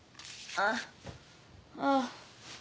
ああ。